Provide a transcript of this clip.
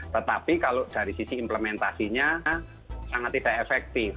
tetapi kalau dari sisi implementasinya sangat tidak efektif